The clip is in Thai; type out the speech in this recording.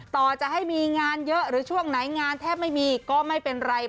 ต่อจะให้มีงานเยอะหรือช่วงไหนงานแทบไม่มีก็ไม่เป็นไร